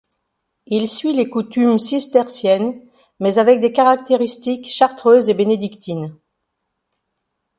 Il suit les coutumes cisterciennes, mais avec des caractéristiques chartreuses et bénédictines.